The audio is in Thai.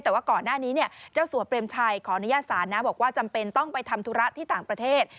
แต่ว่าก่อนหน้านี้เนี่ยเจ้าสัวเปรมชัยขออนุญาตศาลนะบอกว่าจำเป็นต้องไปทำธุระที่ต่างประเทศ